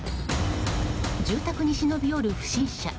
住宅に忍び寄る不審者。